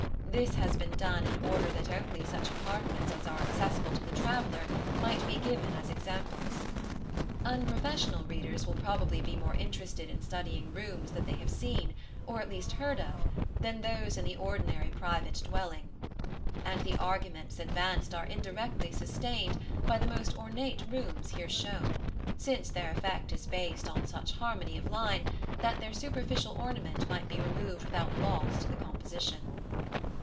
This has been done in order that only such apartments as are accessible to the traveller might be given as examples. Unprofessional readers will probably be more interested in studying rooms that they have seen, or at least heard of, than those in the ordinary private dwelling; and the arguments advanced are indirectly sustained by the most ornate rooms here shown, since their effect is based on such harmony of line that their superficial ornament might be removed without loss to the composition.